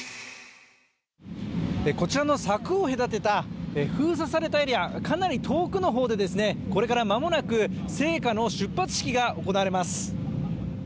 こちらの柵を隔てた封鎖されたエリア、かなり遠くの方でこれから間もなく聖火の出発式が行われます。